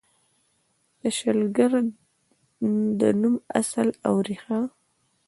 د شلګر د نوم اصل او ریښه: